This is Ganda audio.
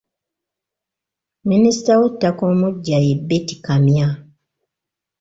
Minisita w'ettaka omuggya ye Beti Kamya.